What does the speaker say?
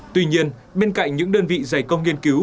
tuy nhiên bên cạnh những đơn vị giải công nghiên cứu